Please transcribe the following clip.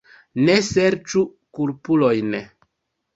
Ne serĉu kulpulojn.